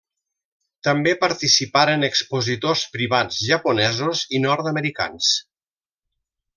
També participaren expositors privats japonesos i nord-americans.